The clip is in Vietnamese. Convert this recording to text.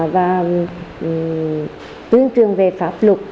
và tuyên trường về pháp luật